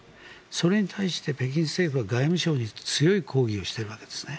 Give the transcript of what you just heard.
それに対して北京政府は外務省に強い抗議をしているわけですね。